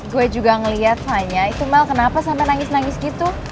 gue juga ngeliat vanya itu mel kenapa sampe nangis nangis gitu